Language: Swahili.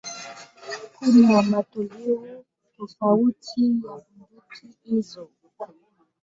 Kuna matoleo tofauti ya bunduki hizo.